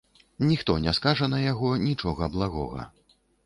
Ніхто не скажа на яго нічога благога.